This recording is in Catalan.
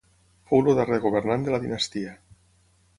Fou el darrer governant de la dinastia.